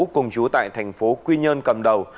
cùng chú tại thành phố quy nhơn cầm đầu